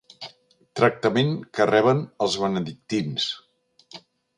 Tractament que reben els benedictins.